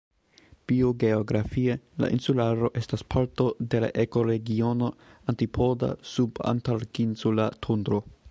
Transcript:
Biogeografie la insularo estas parto de la ekoregiono "antipoda-subantarktinsula tundro".